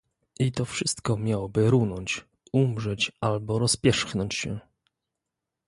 "I to wszystko miałoby runąć, umrzeć, albo rozpierzchnąć się!..."